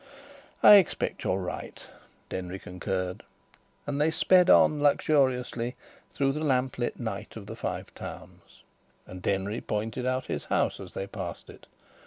"I expect you're right," Denry concurred. And they sped on luxuriously through the lamp lit night of the Five Towns. And Denry pointed out his house as they passed it.